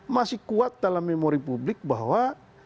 masih kuat dalam memori publik bahwa